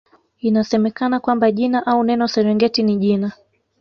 Inasemekana kwamba jina au neno Serengeti ni jina